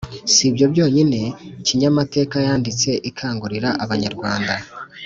sibyo byonyine kinyamateka yanditse ikangurira abanyarwanda